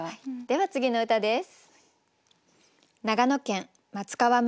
では次の歌です。